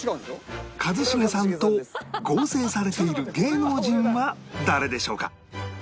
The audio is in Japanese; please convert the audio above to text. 一茂さんと合成されている芸能人は誰でしょうか？